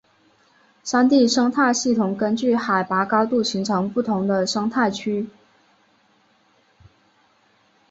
山地生态系统根据海拔高度形成不同的生态区。